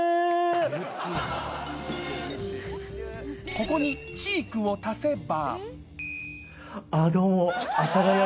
ここにチークを足せば。